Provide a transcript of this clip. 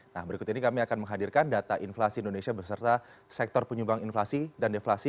nah berikut ini kami akan menghadirkan data inflasi indonesia berserta sektor penyumbang inflasi dan deflasi